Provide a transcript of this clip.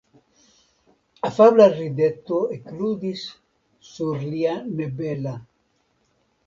Afabla rideto ekludis sur lia nebela.